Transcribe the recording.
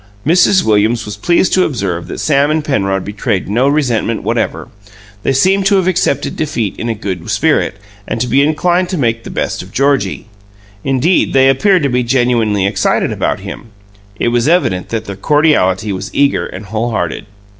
Mrs. Williams was pleased to observe that Sam and Penrod betrayed no resentment whatever; they seemed to have accepted defeat in a good spirit and to be inclined to make the best of Georgie. Indeed, they appeared to be genuinely excited about him it was evident that their cordiality was eager and wholehearted.